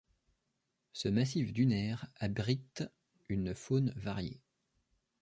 Ce massif dunaire abrite une faune variée.